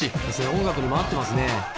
音楽にも合ってますね。